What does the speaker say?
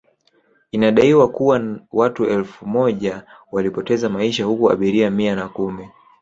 Inadaiwa kuwa watu elfu moja walipoteza maisha huku abiria Mia na kumi